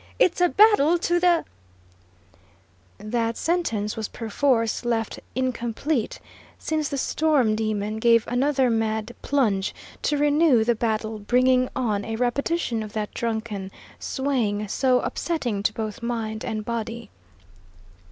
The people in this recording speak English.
It's a battle to the " That sentence was perforce left incomplete, since the storm demon gave another mad plunge to renew the battle, bringing on a repetition of that drunken swaying so upsetting to both mind and body.